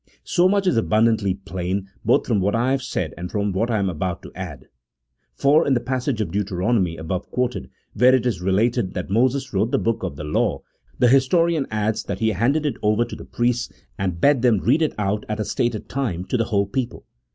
So much is abundantly plain both from what I have said and from what I am about to add. For in the passage of Deuteronomy above quoted, where it is related that Moses wrote the book of the law, the histo rian adds that he handed it over to the priests and bade them read it out at a stated time to the whole people.